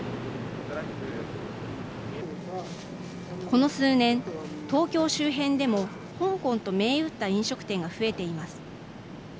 この数年東京周辺でも香港と銘打った飲食店が増えています。